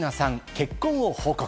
結婚を報告。